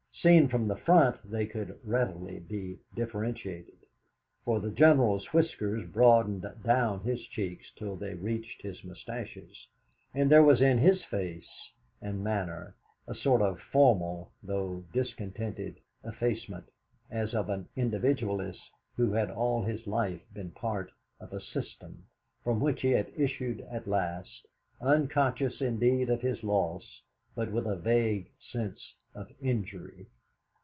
Seen from the front they could readily be differentiated, for the General's whiskers broadened down his cheeks till they reached his moustaches, and there was in his face and manner a sort of formal, though discontented, effacement, as of an individualist who has all his life been part of a system, from which he has issued at last, unconscious indeed of his loss, but with a vague sense of injury.